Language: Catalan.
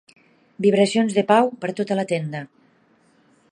Vibracions de pau per tota la tenda.